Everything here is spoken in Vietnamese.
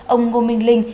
ông ngô minh linh